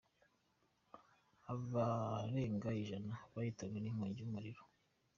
Abarenga ijana bahitanwe n’inkongi y’umuriro